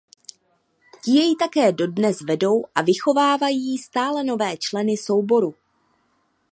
Ti jej také dodnes vedou a vychovávají stále nové členy souboru.